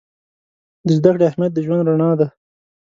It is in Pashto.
د زده کړې اهمیت د ژوند رڼا ده.